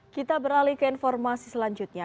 kita beralih ke informasi selanjutnya